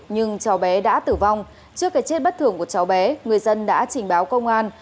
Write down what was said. nhưng cháu bé đã tử vong trước cái chết bất thường của cháu bé người dân đã trình báo công an